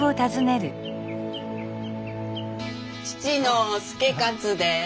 父の祐勝です。